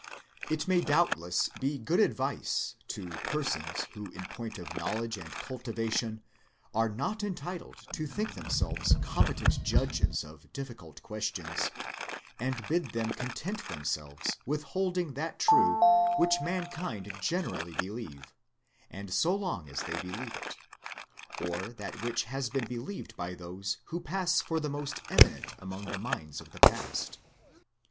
It may doubtless be good advice to persons who in point of knowledge and cultivation are not entitled to think themselves competent judges of difficult questions, 156 THEISM to bid them content themselves with holding that true which mankind generally believe, and so long as they believe it ; or that which has been believed by those who pass for the most eminent among the minds of the past.